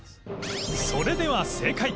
それでは正解